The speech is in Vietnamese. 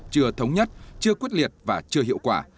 chưa thống nhất chưa quyết liệt và chưa hiệu quả